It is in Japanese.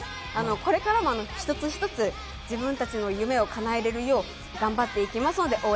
これからも一つ一つ、自分たちの夢をかなえられるよう頑張っていきますので応援